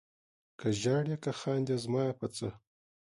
که ژاړې که خاندې زما یې په څه؟